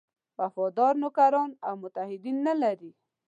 وفادار نوکران او متحدین نه لري.